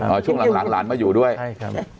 ๓คนคือ๓คนนี่คน